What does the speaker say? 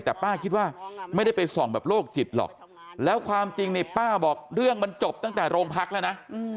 แต่ป้าคิดว่าไม่ได้ไปส่องแบบโรคจิตหรอกแล้วความจริงนี่ป้าบอกเรื่องมันจบตั้งแต่โรงพักแล้วนะ